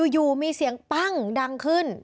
อยู่มีเสียงปั้งดังขึ้น